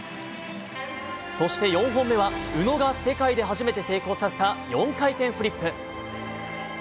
そして、４本目は宇野が世界で初めて成功させた４回転フリップ。